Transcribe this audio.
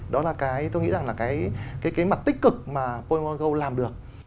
đó là cái tôi nghĩ rằng là cái mặt tích cực mà pokemon go làm được